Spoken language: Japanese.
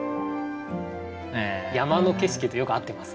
山の景色とよく合ってますね。